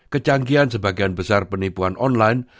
kecanggihan sebagian besar penipuan online